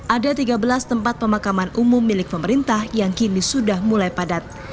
ada tiga belas tempat pemakaman umum milik pemerintah yang kini sudah mulai padat